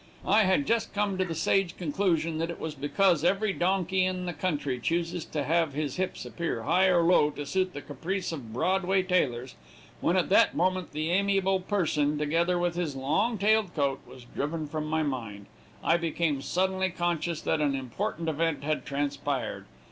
I had just come to the sage conclusion that it was because every donkey in the country chooses to have his hips appear high or low to suit the caprice of Broadway tailors, when at that moment the amiable person, together with his long tailed coat, was driven from my mind. I became suddenly conscious that an important event had transpired.